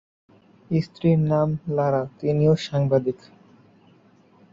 স্ত্রীর নাম লারা, তিনিও সাংবাদিক।